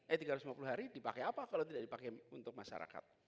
eh tiga ratus lima puluh hari dipakai apa kalau tidak dipakai untuk masyarakat